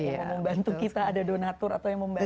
membantu kita ada donatur atau yang membantu